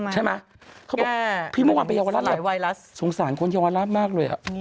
เขาบอกพี่เมื่อวานไปเยาวราชสงสารคนเยาวราชมากเลย